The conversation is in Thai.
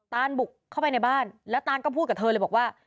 ตานบุกเข้าไปในบ้านแล้วตานก็พูดกับเธอเลยบอกว่า